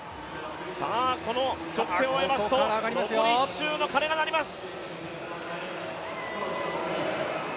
この直線を終えますと残り１周の鐘が鳴ります。